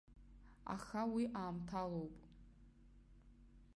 Аха уи аамҭалоуп.